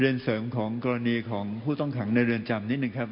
เลื่อนเสริมของกรณีผู้ต้องถังในเรือนจำนิดนึงครับว่า